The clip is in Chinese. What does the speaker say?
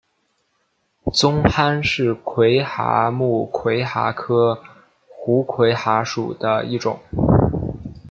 棕蚶是魁蛤目魁蛤科胡魁蛤属的一种。